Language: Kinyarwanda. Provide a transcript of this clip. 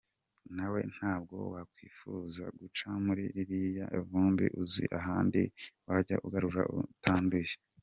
Nawe ntabwo wakwifuza guca muri ririya vumbi uzi ahandi wajya ukagura utanduye.